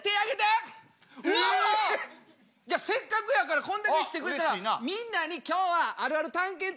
じゃあせっかくやからこんだけ知ってくれたらみんなに今日はあるある探検隊員のみんなになってもらおう！